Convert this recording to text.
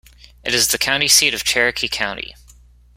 It is the county seat of Cherokee County.